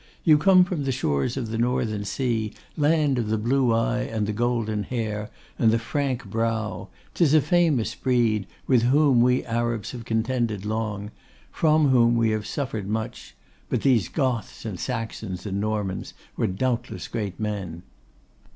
You come from the shores of the Northern Sea, land of the blue eye, and the golden hair, and the frank brow: 'tis a famous breed, with whom we Arabs have contended long; from whom we have suffered much: but these Goths, and Saxons, and Normans were doubtless great men.